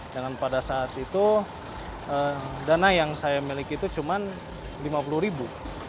dan pada saat itu dana yang saya miliki itu cuma lima puluh ribu